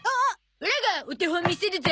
オラがお手本見せるゾ！